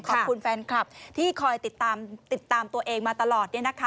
ขอบคุณแฟนคลับที่คอยติดตามตัวเองมาตลอด